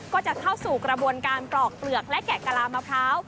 ก็จะเข้าสู่กระบวนการกรอกเปลือกและแกะกะลามะพร้าว